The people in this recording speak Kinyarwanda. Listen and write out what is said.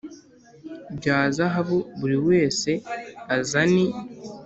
bya zahabu Buri wese azani